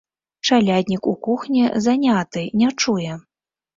Чаляднік у кухні заняты, не чуе.